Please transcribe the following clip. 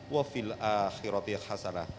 wafil akhiratih hasanah